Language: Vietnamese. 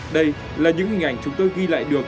đây là những hình ảnh chúng tôi ghi lại được